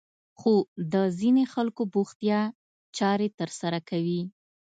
خو د ځينې خلکو بوختيا چارې ترسره کوي.